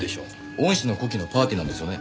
恩師の古希のパーティーなんですよね？